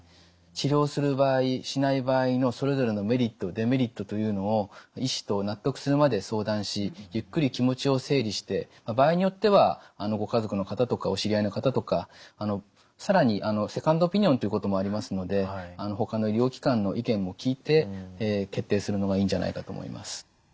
治療する場合しない場合のそれぞれのメリット・デメリットというのを医師と納得するまで相談しゆっくり気持ちを整理して場合によってはご家族の方とかお知り合いの方とか更にセカンドオピニオンということもありますのでほかの医療機関の意見も聞いて決定するのがいいんじゃないかと思います。